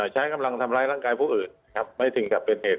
ใช้กำลังทำร้ายร่างกายผู้อื่นครับไม่ถึงกับเป็นเหตุ